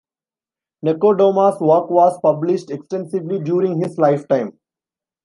Nechodoma's work was published extensively during his lifetime.